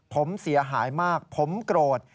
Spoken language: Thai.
ผมเสียหายมากผมโกรธ